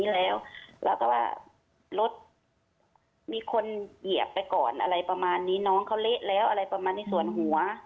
แล้วก็ว่ารถมีคนเหยียบไปก่อนอะไรประมาณนี้น้องเขาเละแล้วอะไรประมาณในส่วนหัว